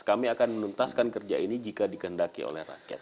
kami akan menuntaskan kerja ini jika dikendaki oleh rakyat